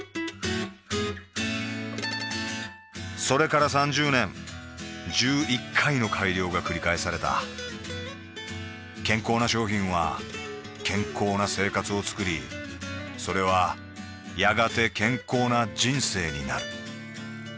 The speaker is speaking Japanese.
それから３０年１１回の改良がくり返された健康な商品は健康な生活をつくりそれはやがて健康な人生になる